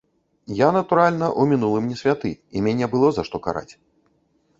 Я, натуральна, у мінулым не святы, і мяне было за што караць.